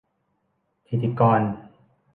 ฐิติกร